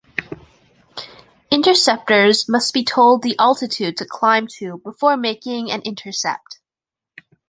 Interceptors must be told the altitude to climb to before making an intercept.